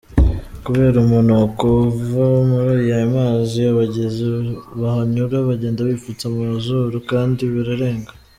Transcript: Kubera umunuko uva muri aya mazi, abagenzi bahanyura bagenda bipfutse ku mazuru, kandi birarenga.